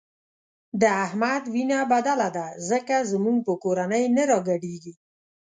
د احمد وینه بدله ده ځکه زموږ په کورنۍ نه راګډېږي.